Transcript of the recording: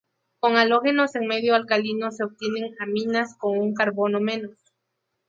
Con halógenos en medio alcalino se obtienen aminas con un carbono menos.